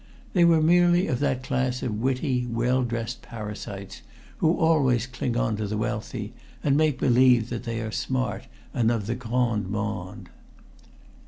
They were merely of that class of witty, well dressed parasites who always cling on to the wealthy and make believe that they are smart and of the grande monde.